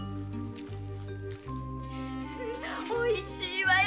おいしいわよ